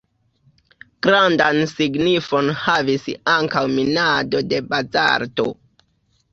Grandan signifon havis ankaŭ minado de bazalto.